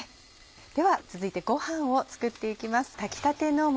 では続いてごはんを作って行きます。